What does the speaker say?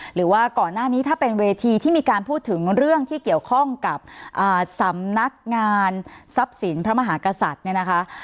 หรือว่าก่อนหน้านี้ถ้าเป็นเวทีที่มีการพูดถึงเรื่องที่เกี่ยวข้องกับสำนักงานทรัพย์สินพระมหากษัตริย์เนี่ยนะคะ